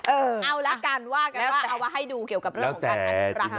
เอาละการว่ากั้นว่าเอาไว้ให้ดูเกี่ยวกับเรื่องของการอณูปราณใหม่